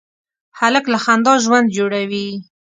هلک له خندا ژوند جوړوي.